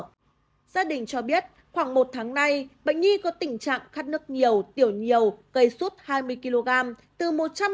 gia đình cho biết khoảng một tháng nay bệnh nhi có tình trạng khát nước nhiều tiểu nhiều gây suốt hai mươi kg